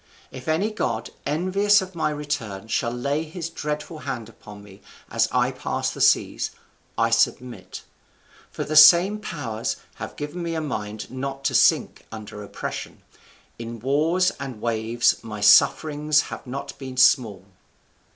If any god, envious of my return, shall lay his dreadful hand upon me as I pass the seas, I submit; for the same powers have given me a mind not to sink under oppression. In wars and waves my sufferings have not been small."